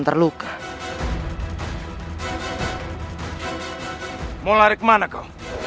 terluka mulai kemana kau